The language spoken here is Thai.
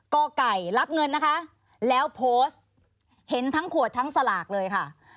กไก่รับเงินนะคะแล้วโพสต์เห็นทั้งขวดทั้งสลากเลยค่ะ